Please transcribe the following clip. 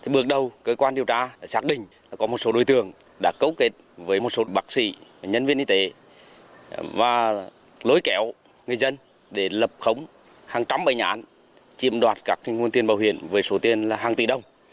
bước đầu cơ quan điều tra đã xác định có một số đối tượng đã cấu kết với một số bác sĩ nhân viên y tế và lối kẹo người dân để lập khống hàng trăm bệnh án chiếm đoạt các nguồn tiền bảo hiểm với số tiền hàng tỷ đồng